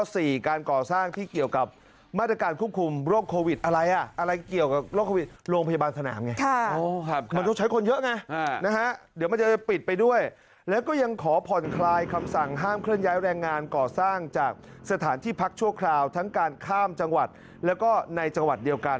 ศธออศธออศธออศธออศธออศธออศธออศธออศธออศธออศธออศธออศธออศธออศธออศธออศธออศธออศธออศธออศธออศธออ